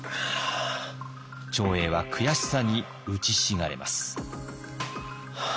長英は悔しさにうちひしがれます。